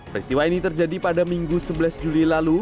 peristiwa ini terjadi pada minggu sebelas juli lalu